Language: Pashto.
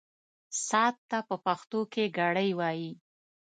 ساعت ته په پښتو کې ګړۍ وايي.